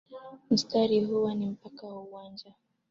Mstari huwa ni mpaka wa uwanja